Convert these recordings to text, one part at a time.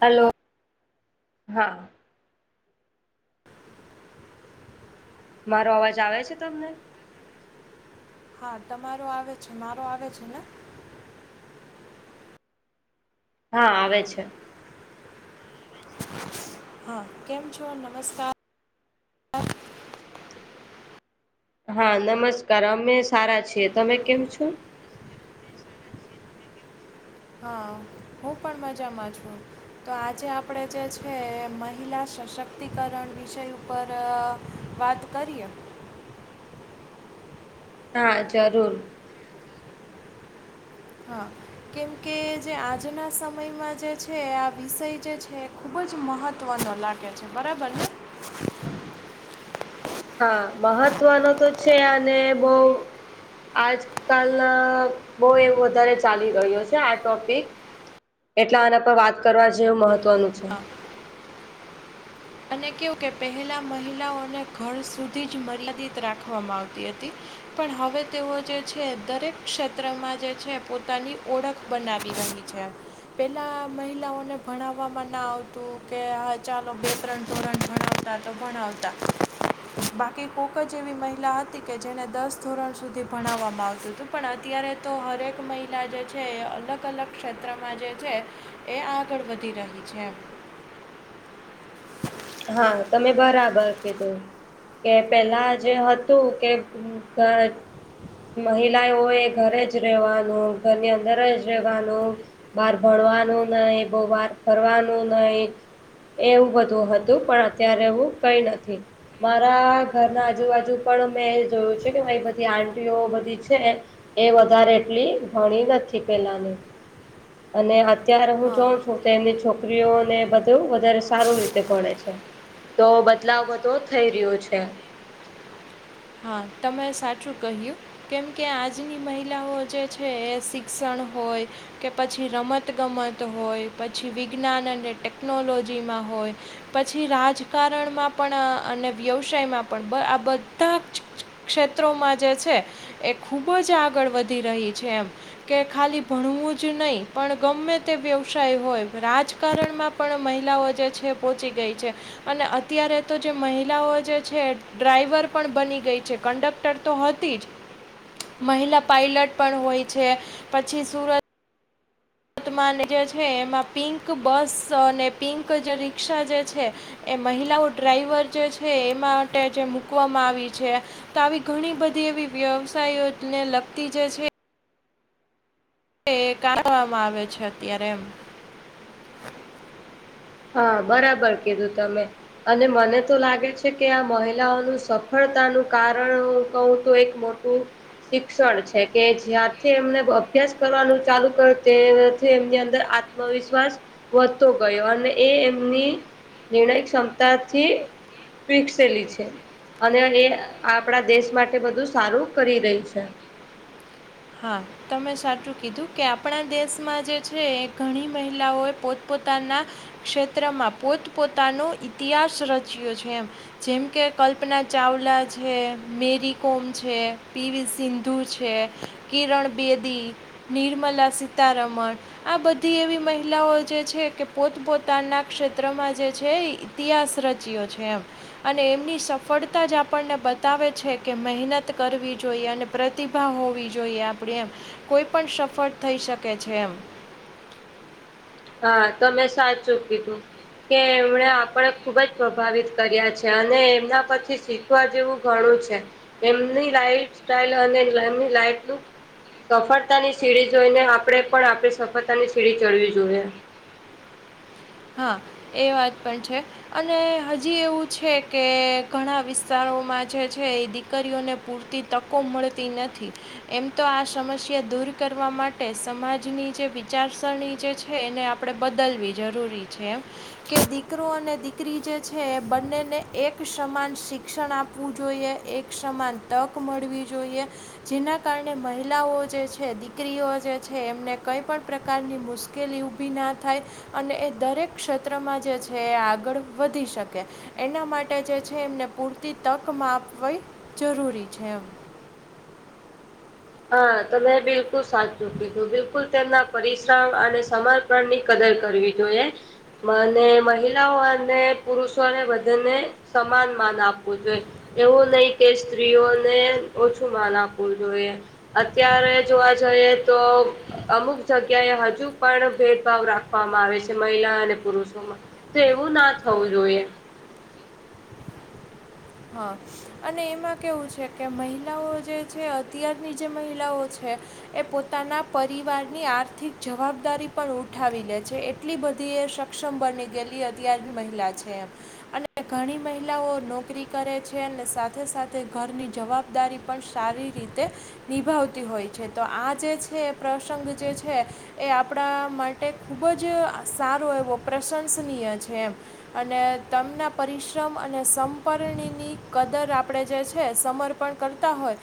Hello, હા. મારો અવાજ આવે છે તમને? હા, તમારો આવે છે. મારો આવે છે ને? હા, આવે છે. હા, કેમ છો? નમસ્કાર. હા, નમસ્કાર. અમે સારા છીએ. તમે કેમ છો? હા, હું પણ મજામાં છું. તો, આજે આપણેે જે છે મહિલા સશક્તિકરણ વિષય ઉપર વાત કરીએ. હા, જરૂર. હા. કેમકે, જે આજના સમયમાં જે છે, આ વિષય જે છે ખૂબ જ મહત્ત્વનો લાગે. છે, બરાબર ને. હા, મહત્વનો તો છે અને બહુ આજકાલ બહુ એવું વધારે ચાલી રહ્યો છે આ ટોપિક. એટલે આના પર વાત કરવા જેવું મહત્વનું છે. અને કેવું કે પહેલા મહિલાઓને ઘર સુધી જ મર્યાદિત રાખવામાં આવતી હતી. પણ હવે તેઓ જે છે, દરેક ક્ષેત્રમાં જે છે પોતાની ઓળખ બનાવી રહી છે. પેલા મહિલાઓને ભણાવવામાં ના આવતું કે, હ, ચાલો બે- ત્રણ તોરણ ભણાવતા તો ભણાવતા. બાકી કોક જ એવી મહિલા હતી કે જેને દસ ધોરણ સુધી ભણાવવામાં આવતી હતું. પણ અત્યારે તો દરેક મહિલા જે છે, એ અલગ અલગ ક્ષેત્રમાં જે છે. એ આગળ વધી રહી છે. હા, તમે બરાબર કીધું. કે પેલા જે હતું કે મહિલા હોય ઘરે જ રહેવાનું, ઘરની અંદર જ રહેેવાનું. બાર ભણવાનું નહીં, બહુ બાર ફરવાનું નહીં, એવું બધું હતું. પણ અત્યારે એવું કંઈ નથી. મારા ઘરના આજુબાજુ પણ મેં એ જોયું છે કે, મારી બધી આંટીઓ બધી છે એ વધારે એટલી ભલેણી નથી, પેલાની અને અત્યારે હું હા જોઉં છું તો, એમની છોકરીઓને બધું વધારે સારું રીતે ગણે છે. તો બદલાવ બધો થઈ રહ્યો છે. હા, હવે તમે સાચું કહ્યું. કેમ કે આજની મહિલાઓ જે છે, એ શિક્ષણ હોય કે પછી રમતગમત હોય, પછી વિજ્ઞાન અને ટેકનોલોજીમાં હોય. પછી રાજકારણમાં પણ અને વ્યવસાયમાં પણ આ બ બધા ક્ષેત્રોમાં જે છે એ ખૂબ જ આગળ વધી રહી છે એમ. કે ખાલી ભણવું જ નહી પણ ગમે તે વ્યવસાય હોય રાજકારણમાં. પણ મહિલાઓ જે છે, પોહોંચી ગઈ છે.. અને અત્યારે તો જે મહિલાઓ જે છે, ડ્રાઈવર પણ બની ગઈ છે કંડક્ટર, તો હતી જ. મહિલા પાયલટ પણ હોય છે, પછી સુરત ર્તમાન જે છે એમાં પિંક બસ અને પિંક જે રિક્ષા જે છે. એ મહિલાઓ ડ્રાઈવર જે છે એ માટે જે મૂકવામાં આવી છે. તો આવી ઘણી બધી એવી વ્યવસાયોને લગતી જ છે. કાઢવામાં આવે છે અત્યારે એમ. હા બરાબર કીધું તમે. અને મને તો લાગે છે કે આ મહિલાઓનું સફળતાનું કારણ. કહું તો એક મોટું. શિક્ષણ છે કે જ્યંથી એમને અભ્યાસ કરવાનું ચાલુ કરે તેથી એમની અંદર. વિશ્વાસ વધતો ગયો અને. એ એમની નિર્ણાય ક્ષમતાથી વિકસેલી છે. અને એ આપણા દેશ માટે બધું સારું કરી રહી છે. હા. તમે સાચું કીધું કે આપણા દેશમાં જે છે એ ઘણી મહિલાઓએ પોતપોતાના. ક્ષેત્રમાં પોત પોતાનો ઇતિહાસ રચ્યો છે એમ. જેમ કે કલ્પના ચાવલા છે, મેરી કોમ છે, પીવી સિંધુ છે. છે કિરણ બેદી, નિર્મલા સીતારમણ. આ બધી એવી મહિલાઓ જે છે કે પોત પોતાના ક્ષેત્રમાં જે છે. ઇતિહાસ રચ્યો છે એમ. અને એમની સફળતા જ આપણને બતાવે છે કે મહેનત કરવી જોઈએ અને પ્રતિભા હોવી જોઈએ. જોઈએ આપણે એમ કોઈ પણ સફળ થઈ શકે છે એમ. હા તમેં સાચૂ કીધું. કે એમણે આપણે ખુબ જ પ્રભાવિત કર્યા છે અને એમના પછી. જેવું ઘણું છે એમની લાઈફ સ્ટાઈલ અને એમની લાઈફ. સફળતાની સીડી જોઈ ને આપડે પણ આપણે સફળતા ની સીડી ચડવી જોઈએ. હા એ વાત પણ છે. અને હજી એવું છે કે ઘણા વિસ્તારોમાં જે છે એ દીકરીઓને પૂરતી તકો મળતી નથી. એમ તો આ સમસ્યા દૂર કરવા માટે સમાજની જે વિચારસરણી જે છે એને આપણે બદલવી જરૂરી છે. કે દીકરો અને દીકરી જે છે એ બંનેને એક સમાન શિક્ષણ આપવું જોઈએ એક સમાન તક મળવી જોઈએ જેના કારણે મહિલાઓ જે છે દીકરીઓ જે છે એમને કઈ પણ પ્રકારની મુશ્ મુશ્કેલી ઊભી ના થાય અને એ દરેક ક્ષેત્રમાં જે છે એ આગળ વધી શકે. એના માટે જે છે એમને પૂરતી તક મા આપવી જરૂરી છે એમ હા તમેં બિલકુલ સાચૂ કીધુ બિલકુલ તેમના પરિશ્રમ અને સમર્ પણ ની કદર કરવી જોઈએ. મને મહિલાઓ અને પુરુષોને બધાને સમાન માન આપવું જોઈએ. એવું નહી કે સ્ત્રીઓને ઓછું માન આપવું જોઈએ. અત્યારે જોવા જઈએ તો અમુક જગ્યાએ હજુ પણ ભેદભાવ રાખવામાં આવે છે મહિલા અને પુરુષોમાં તો એવું ના થવું જોઈએ. હા. અને એમાં કેવું છે કે મહિલાઓ જે છે અત્યારની જે મહિલાઓ છે. એ પોતાના પરિવારની આર્થિક જવાબદારી પણ ઉઠાવી લે છે. એટલી બધી એ સક્ષમ બની ગયેલી અત્યાર મહિલા છે એમ અને ઘણી મહિલાઓ નોકરી કરે છે અને સાથે સાથે ઘરની જવાબદારી પણ સારી રીતે નિભાવતી હોય છે તો આ જે છે પ્રસંગ જે છે. એ આપણા માટે ખૂબ જ સારો એવો પ્રશંસનીય છે એમ અને તમના પરિશ્રમ અને સમ ક પરરણીની કદર આપણે જે છે સમર્પણ કરતા હોય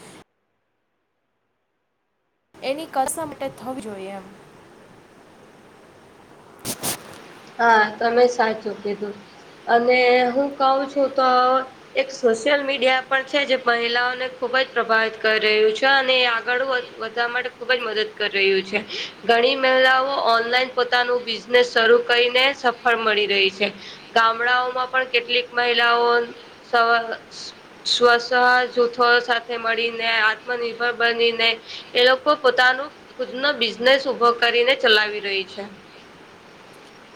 એની કશા માટે થવું જોઈએ એમ હા તમે સાચું કીધું અને હું કઉ છું તો એક સોશિયલ મીડિયા પણ છે જે મહિલાઓને ખુબ જ પ્રભાવિત કરી રહ્યું છે અને એ આગળ વધ માટે ખુબ જ મદદ કરી રહ્યું છે ઘણી મહિલાઓ ઓનલાઈન પોતાનું બિઝનેસ શરુ કરીને સફળ મળી રહી છે ગામડાઓમાં પણ કેટલીક મહિલાઓ સવહ સ્વસ જૂથો સાથે મળીને આત્મનિર્ભર બનીને એ લોકો પોતાનું ખુદ ન બિઝનેસ ઉભો કરીને ચલાવી રહી છે.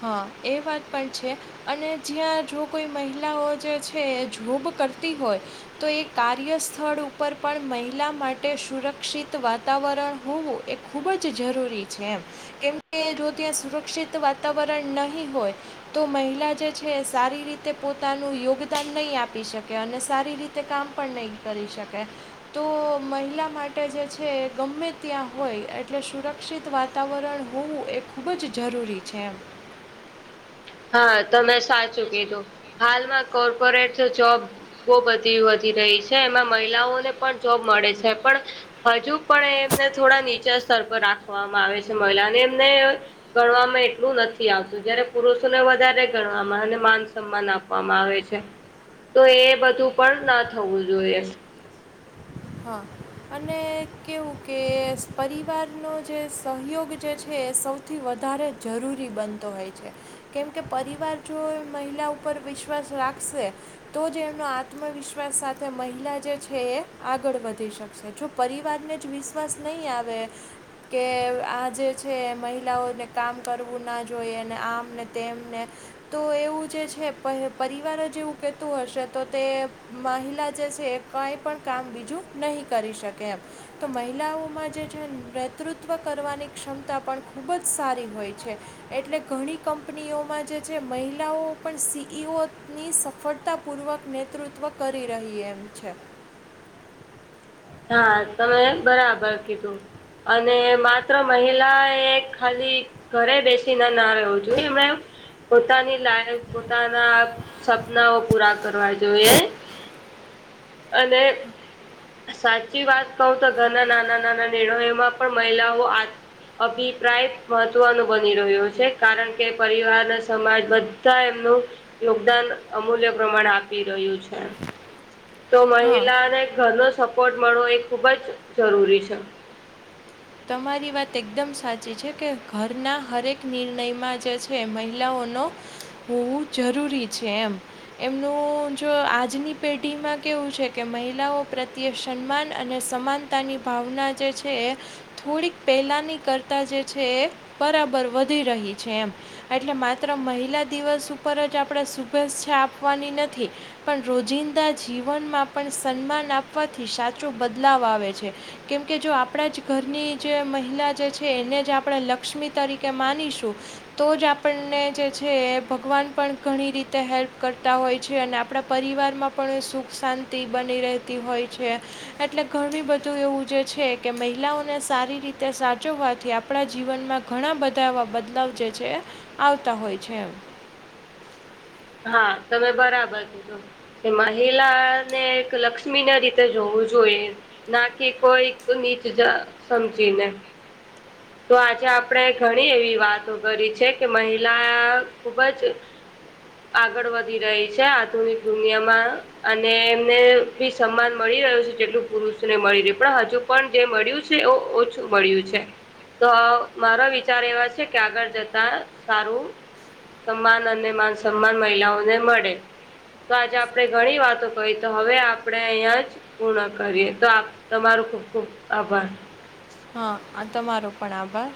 હા એ વાત પણ છે. અને જ્યાં જો કોઈ મહિલાઓ જે છે જોબ કરતી હોય તો એ કાર્ય સ્થળ ઉપર પણ મહિલા માટે સુરક્ષિત વાતાવરણ હોવું ખૂબ જ જરૂરી છે એમ કેમ કે જો ત્યાં સુરક્ષિત વાતાવરણ નહીં હોય તો મહિલા જે છે સારી રીતે પોતાનું યોગદાન નહી આપી શકે અને સારી રીતે તે કામ પણ નહીં કરી શકાય તો મહિલા માટે જે છે ગમે ત્યાં હોય એટલે સુરક્ષ ક્ષિત વાતાવરણ હોવું એ ખૂબ જ જરૂરી છે એમ હા તમે સાચું કીધું હાલમાં કોર્પોરેટ જોબ બહુ બધી વધી રહી છે એમાં મહિલાઓને પણ જોબ મળે છે પણ હજુ પણ એમને થોડા નીચા સ્તર પર રાખવામાં આવે છે મહિલાને એમને ગણવામાં એટલું નથી આવતું જય્યારે પુરુષ ને વધારે ગણવામાં અને માન સન્માન આપવામાં આવે છે. તો એ બધું પણ ના થવું જોઈએ હા અને કેવું કે પરિવારનો જે સહયોગ જે છે એ સૌ થી વધારે જરૂરી બનતો હોય છે. કેમ કે પરિવાર જો મહિલા ઉપર વિશ્વાસ રાખશે તો જે એમનો આત્મવિશ્વાસ સાથે મહિલા જે છે એ આગળ વધી શકશે જો પરિવારને જ વિશ્વાસ નહીં આવે કે આ જે છે મહિલાઓને કામ કરવું ના જોઈ અને આમને તેમને તો એવું જે છે પરિવાર જેવું કેતું હશે તો તે મહિલા જે છે કાંઈ પણ કામ બીજું નહીં કરી શકે એમ તો મહિલાઓમાં જે છે નેતૃત્વ કરવાની ક્ષમતા પણ ખૂબ જ સારી હોય છે. એટલે ઘણી કંપનીઓમાં જે છે મહિલાઓ પણ સી ઈ ઓની સફળતા પૂર્વક નેતૃત્વ કરી રહી એમ છે. ના તમે બરાબર કીધું અને માત્ર મહિલા એ ખાલી ઘરે બેસી ના ના રહ્યો જોઈએ એમણાં એમ પોતાની લાઈફ પોતાના સપનાઓ પૂરા કરવા જોઈએ અને સાચી વાત કહું તો ઘરના નાના નાના નિર્ણયોમાં પણ મહિલાઓ અતા અભિપ્રાય મહત્વનો બની રહ્યો છે કારણ કે પરિવાર અને સમાજમાં બ ધા એમનું યોગદાન અમૂલ્ય પ્રમાણે આપી રહ્યું છે. તો હા મહિલાને ઘરનો સપોર્ટ મળવો એ ખૂબ જ જરૂરી છે. તમારી વાત એકદમ સાચી છે કે ઘરના હરેક નિર્ણયમાં જે છે મહિલાઓનો હોવું જરૂરી છે એમ. એમનું જો આજની પેઢીમાં કેવું છે કે મહિલાઓ પ્રત્યે સન્માન અને સમાન તાની ભાવના જે છે એ થોડીક પહેલાની કરતા જે છે એ બરાબર વધી રહી છે એમ એટલે માત્ર મહિલા દિવસ ઉપર જ આપણે શુભેચ્છા આપવાની નથી. પણ રોજિંદા જીવનમાં પણ સન્માન આપવાથી સાચો બદલાવ આવે છે. કેમ કે જો આપડા જ ઘરની જે મહિલા જે છે એને જ આપણે લક્ષ્મી તરીકે માનીશું. તો જ આપણને જે છે. ભગવાન પણ ઘણી રીતે હેલ્પ કરતા હોય છે. અને આપણા પરિવારમાં પણ સુખ શાંતિ બની રહેતી હોય છે. એટલે ઘણ બધું એવું જે છે કે મહિલાઓ ને સારી રીતે સાચવવાથી આપણા જીવનમાં ઘણા બધા એવા બદલાવ જે છે આવતા હોય છે. એમ હા તમે બરાબર કીધું. એ મહિલા ને એક લક્ષ્મી ના રીતે જોવું જોઈએ. નાખ કોઈક નીચ જા સમજીને તો આજે આપણે ઘણી એવી વાતો કરી છે કે મહિલા ખુબ જ આગળ વધી રહી છે આધુનિક દુનિયામાં અને એમને ભી સન્માન મળી રહ્યો છે જેટલું પુરુષને મળી રહે્યું પણ હજુ. પણ જે મળ્યું છે એ ઓછું મળ્યું છે. તો મારો વિચાર એવા છે કે આગળ જતા સારું સન્માન અને માન સન્માન મહિલાઓને મળે. તો આજે આપણે ઘણી વાતો કહી તો હવે આપણે અહીયા જ પૂર્ણ કરીએ તો તમારોું ખુબ ખુબ આભાર. હા આ તમારો પણ આભાર.